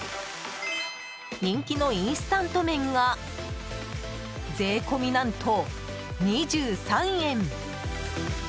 人気のインスタント麺が税込何と２３円！